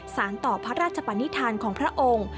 สารต่อพระราชปนิษฐานของพระองค์